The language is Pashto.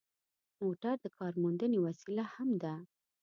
موټر د کارموندنې وسیله هم ده.